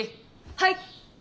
はい！